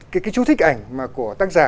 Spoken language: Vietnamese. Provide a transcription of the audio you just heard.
cái chú thích ảnh của tác giả